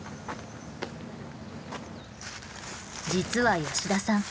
実は吉田さん